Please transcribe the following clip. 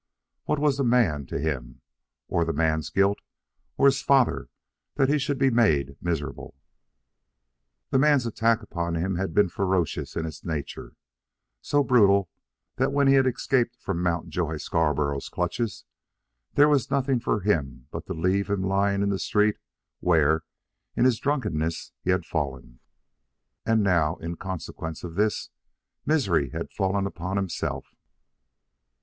What was the man to him, or the man's guilt, or his father, that he should be made miserable? The man's attack upon him had been ferocious in its nature, so brutal that when he had escaped from Mountjoy Scarborough's clutches there was nothing for him but to leave him lying in the street where, in his drunkenness, he had fallen. And now, in consequence of this, misery had fallen upon himself.